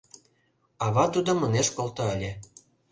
Ава тудым ынеж колто ыле...